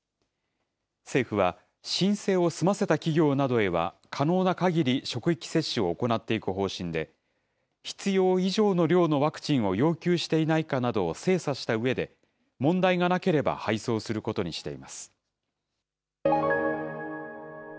政府は、申請を済ませた企業などへは可能なかぎり職域接種を行っていく方針で、必要以上の量のワクチンを要求していないかなどを精査したうえで、問題がなければ配送することにしています。